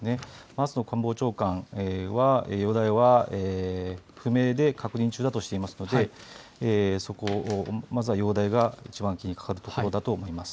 松野官房長官は、容体は不明で確認中だとしていますのでそこを、まずは容体が一番気にかかるところだと思います。